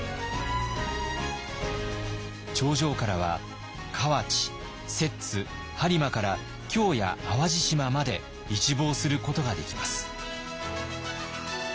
頂上からは河内摂津播磨から京や淡路島まで一望することができます。